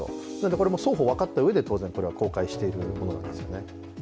これも双方分かったうえで当然、公開しているものです。